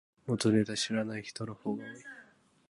元ネタ知らない人の方が多い